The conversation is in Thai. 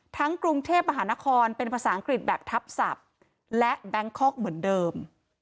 กรุงเทพมหานครเป็นภาษาอังกฤษแบบทับศัพท์และแบงคอกเหมือนเดิม